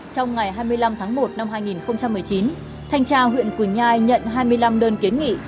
trong ngày hai mươi năm tháng một năm hai nghìn một mươi chín thanh tra huyện quỳnh nhai nhận hai mươi năm đơn kiến nghị